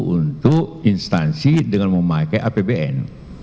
untuk instansi dengan memakai apbn